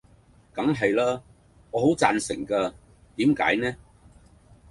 梗係啦，我好贊成嘅，點解呢